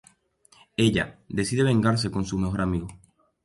Ella, decide vengarse con su mejor amigo.